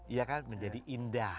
iya kan menjadi indah